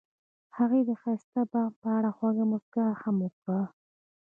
هغې د ښایسته بام په اړه خوږه موسکا هم وکړه.